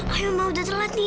ayo mau udah telat nih